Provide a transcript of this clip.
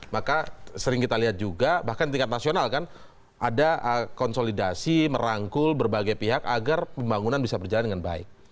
maka sering kita lihat juga bahkan tingkat nasional kan ada konsolidasi merangkul berbagai pihak agar pembangunan bisa berjalan dengan baik